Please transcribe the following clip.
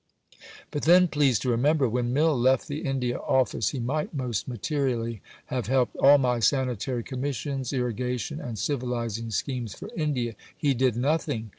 But then please to remember: when Mill left the India Office he might most materially have helped all my Sanitary Commissions, Irrigation and Civilizing Schemes for India. He did nothing.